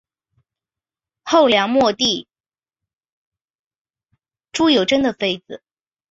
后梁末帝朱友贞的妃子。